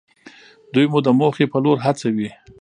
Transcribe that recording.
دوی مو د موخې په لور هڅوي.